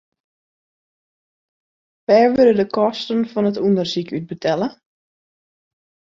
Wêr wurde de kosten fan it ûndersyk út betelle?